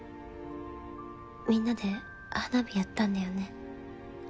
みんなで花火やったんだよね。